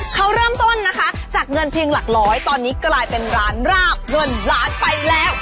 เขาเริ่มต้นนะคะจากเงินเพียงหลักร้อยตอนนี้กลายเป็นร้านราบเงินล้านไปแล้ว